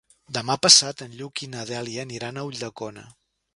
Demà passat en Lluc i na Dèlia aniran a Ulldecona.